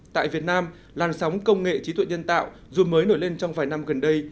tại việt nam làn sóng công nghệ trí tuệ nhân tạo dù mới nổi lên trong vài năm gần đây